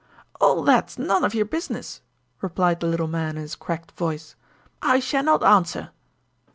"All that's none of your business," replied the little man in his cracked voice. "I shall not answer."